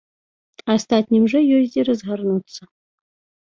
Астатнім жа ёсць дзе разгарнуцца.